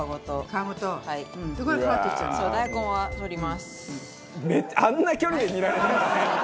大根は取ります。